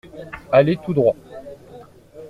Allez tout droit.